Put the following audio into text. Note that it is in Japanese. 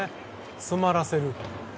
詰まらせる。